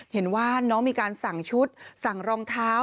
เห็นว่าน้องมีการสั่งชุดสั่งรองเท้า